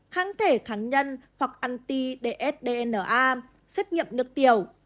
kháng thể kháng nhân hoặc ănt dsdna xét nghiệm nước tiểu